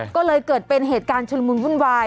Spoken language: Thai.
ก็เลยเกิดเป็นเหตุการณ์ชุลมุนวุ่นวาย